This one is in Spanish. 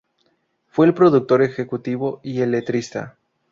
Fue el productor ejecutivo y el letrista.